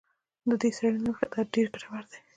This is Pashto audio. د دې څېړنې له مخې دا ډېر ګټور دی